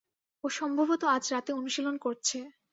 ও সম্ভবত আজ রাতে অনুশীলন করছে।